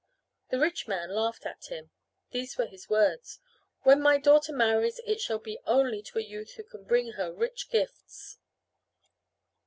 The rich man laughed at him. These were his words: "When my daughter marries it shall be only to a youth who can bring her rich gifts."